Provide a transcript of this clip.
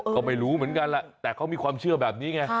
ก็ไม่รู้เหมือนกันแหละแต่เขามีความเชื่อแบบนี้ไง